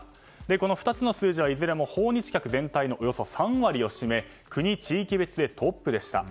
この２つの数字はいずれも訪日客全体のおよそ３割を占め国・地域別でトップでした。